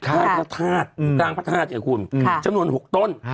รังพระทาสชะนวน๖ต้น